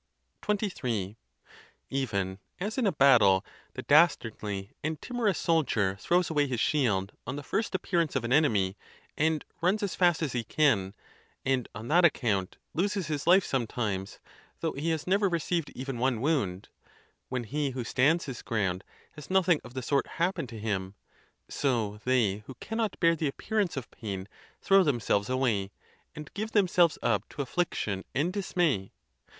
XXIII. Even as in a battle the dastardly and timorous soldier throws away his shield on the first appearance of an enemy, and runs as fast as he can, and on that account loses his life sometimes, though he has never received even one wound, when he who stands his ground has noth ing of the sort happen to him, so they who cannot bear the appearance of pain throw themselves away, and give themselves up to affliction and dismay.